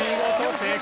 正解。